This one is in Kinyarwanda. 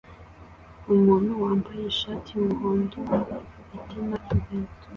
Umuntu wambaye ishati yumuhondo atema inkwi